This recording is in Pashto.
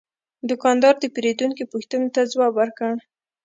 دوکاندار د پیرودونکي پوښتنو ته ځواب ورکړ.